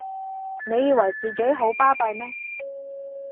你以為自己好巴閉咩！